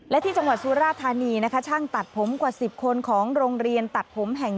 และที่จังหวัดสุราธานีนะคะช่างตัดผมกว่า๑๐คนของโรงเรียนตัดผมแห่ง๑